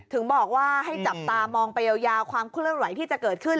ถึงบอกว่าให้จับตามองไปยาวความเคลื่อนไหวที่จะเกิดขึ้น